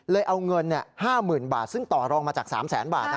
เลยเอาเงิน๕๐๐๐๐บาทซึ่งต่อรองมาจาก๓๐๐๐๐๐บาท